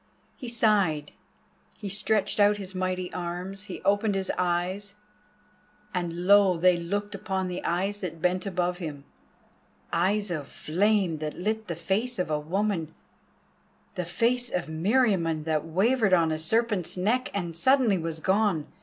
He sighed, he stretched out his mighty arms, he opened his eyes, and lo! they looked upon the eyes that bent above him, eyes of flame that lit the face of a woman—the face of Meriamun that wavered on a serpent's neck and suddenly was gone.